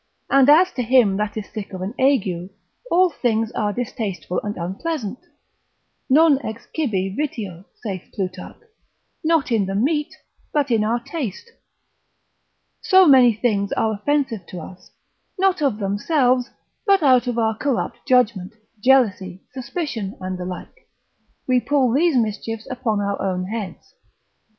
And as to him that is sick of an ague, all things are distasteful and unpleasant, non ex cibi vitio saith Plutarch, not in the meat, but in our taste: so many things are offensive to us, not of themselves, but out of our corrupt judgment, jealousy, suspicion, and the like: we pull these mischiefs upon our own heads.